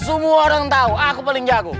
semua orang tahu aku paling jago